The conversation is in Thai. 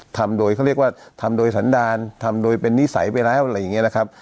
ทำโดยเขาเรียกว่าทำโดยสันดารทำโดยเป็นนิสัยไปแล้วอะไรอย่างนี้นะครับ